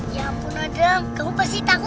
ya ampun adam kamu pasti takut kan